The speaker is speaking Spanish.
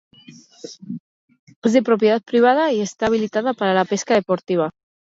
Es de propiedad privada y está habilitada para la pesca deportiva.